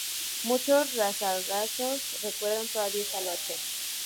Muchos zaragozanos recuerdan todavía este coche.